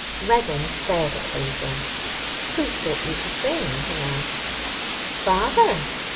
Reddin stared at Hazel. 'Who taught you to sing?' he asked. 'Father.